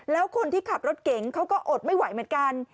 แล้วคนที่ขับรถเก๋งเขาก็อดไม่ไหวเหมือนกัน